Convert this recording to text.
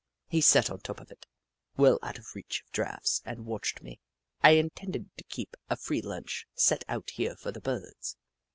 He sat on top of it, well out of reach of draughts, and watched me. I intended to keep a free lunch set out here for the Birds.